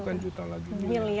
bukan juta lagi